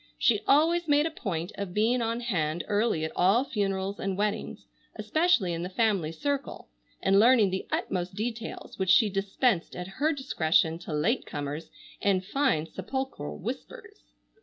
She always made a point of being on hand early at all funerals and weddings, especially in the family circle, and learning the utmost details, which she dispensed at her discretion to late comers in fine sepulchral whispers.